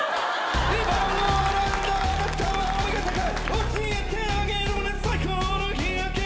「２番を選んだあなたはお目が高い」「教えてあげるね最高の日焼けを」